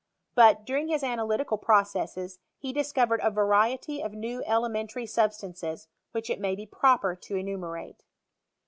But, during his analytical processes, he discovered a variety of new elementary substances "which it may be proper to enumerate.